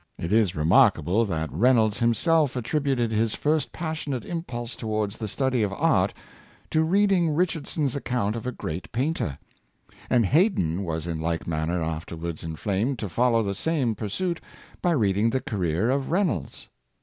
It is remarkable that Reynolds himself attributed his first passionate im pulse towards the study of art, to reading Richardson's account of a great painter; and Hay don was in like manner afterwards inflamed to follow the same pur suit by reading of the career of Reynolds.